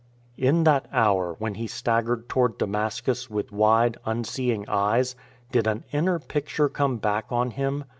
In that hour when he staggered toward Damascus with wide, unseeing eyes, did an inner picture come back on him?